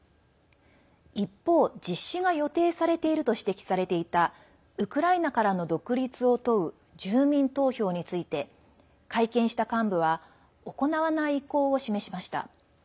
一方、実施が予定されていると指摘されていたウクライナからの独立を問う住民投票について会見した幹部は行わない意向を示しました。